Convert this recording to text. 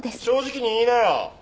正直に言いなよ。